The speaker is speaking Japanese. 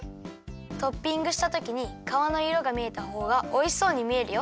トッピングしたときにかわのいろがみえたほうがおいしそうにみえるよ。